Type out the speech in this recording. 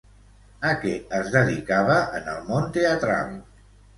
A què es dedicava en el món teatral?